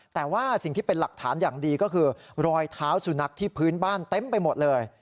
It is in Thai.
แต่ว่าสิ่งที่เป็นหลักฐานอย่างดีก็คือรอยเท้าสุนัขที่พื้นบ้านเต็มไปหมดเลย